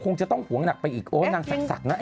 คงจะต้องหวงหนักไปอีกโอ้โฮนางสักนะแองจี้